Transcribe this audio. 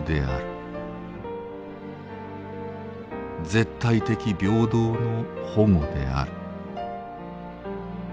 絶対的平等の保護である」。